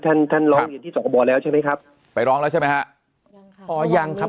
ท่านท่านร้องเรียนที่สกบแล้วใช่ไหมครับไปร้องแล้วใช่ไหมฮะยังค่ะพอยังครับ